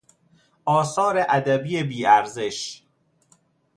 آثار ادبی بی ارزش